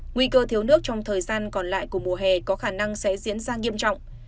nguy cơ thiếu nước trong thời gian còn lại của mùa hè có khả năng sẽ diễn ra nghiêm trọng